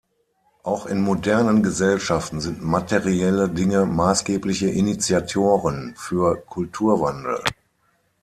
Auch in modernen Gesellschaften sind materielle Dinge maßgebliche Initiatoren für Kulturwandel.